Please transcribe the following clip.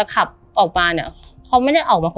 กับผู้หญิงคนหนึ่ง